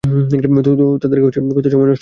তো, তাদেরকে খুজতে সময় নস্ট করিস না।